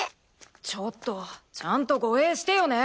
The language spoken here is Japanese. ちょっとちゃんと護衛してよね。